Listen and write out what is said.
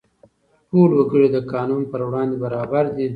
ټول وګړي د قانون پر وړاندې برابر دي.